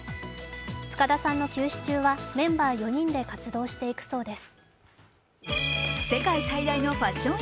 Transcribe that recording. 塚田さんの休止中はメンバー４人で活動していくそうです。